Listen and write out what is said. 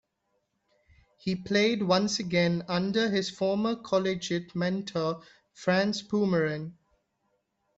He played once again under his former collegiate mentor Franz Pumaren.